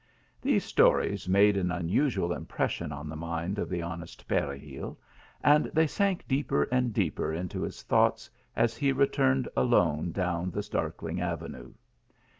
These stories made an unusual impression on the . iind of honest Peregil, and they sank deeper and deeper into his thoughts as he returned alone down the darkling avenues.